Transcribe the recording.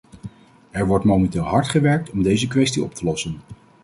Er wordt momenteel hard gewerkt om deze kwestie op te lossen.